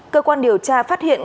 cơ quan điều tra phát hiện